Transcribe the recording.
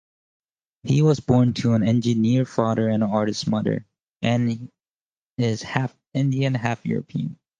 He was born to an engineer father and artist mother, and is half-Indian, half-European.